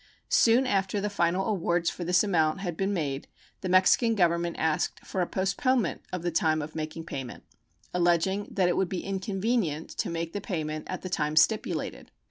Soon after the final awards for this amount had been made the Mexican Government asked for a postponement of the time of making payment, alleging that it would be inconvenient to make the payment at the time stipulated.